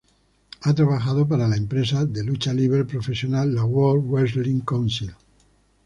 Ha trabajado para la empresa de Lucha libre profesional la World Wrestling Council.